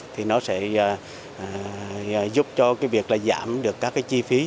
thì nó sẽ giúp cho cái việc là giảm được các cái chi phí